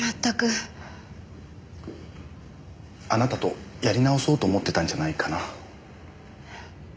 あなたとやり直そうと思ってたんじゃないかな。